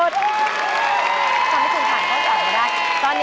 จะไม่ถูกถ่ายข้างต่อมาได้